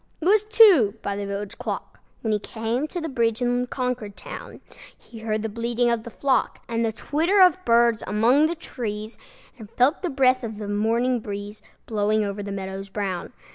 It was two by the village clock, When he came to the bridge in Concord town. He heard the bleating of the flock, And the twitter of birds among the trees, And felt the breath of the morning breeze Blowing over the meadows brown.